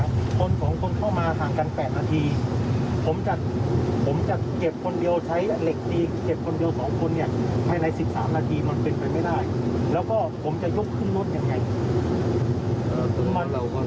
นายสันติบอกว่า